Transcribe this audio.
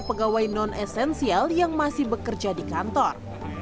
pegawai non esensial yang masih bekerja di kantor